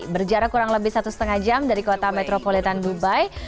berjarak kurang lebih satu lima jam dari kota metropolitan dubai